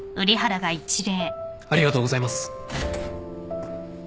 ありがとうございます。